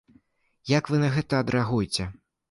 Як вы на гэта адрэагуеце?